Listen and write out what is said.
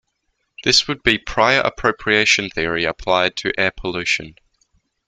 This would be prior appropriation theory applied to air pollution.